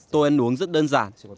tôi ăn uống rất đơn giản